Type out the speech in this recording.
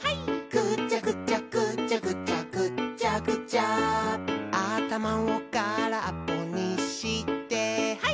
「ぐちゃぐちゃぐちゃぐちゃぐっちゃぐちゃ」「あたまをからっぽにしてハイ！」